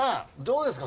どうですか？